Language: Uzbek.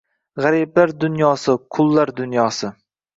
Gʻariblar dunyosi, qullar dunyosi